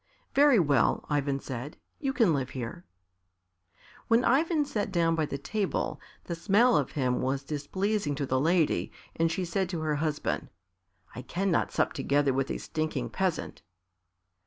"Very well," Ivan said, "you can live here." When Ivan sat down by the table, the smell of him was displeasing to the lady and she said to her husband, "I cannot sup together with a stinking peasant."